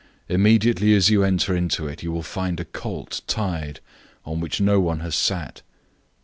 Immediately as you enter into it, you will find a young donkey tied, on which no one has sat.